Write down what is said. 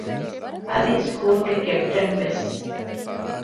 އަދި ސްކޫލުގެ ކެޕްޓަންވެސް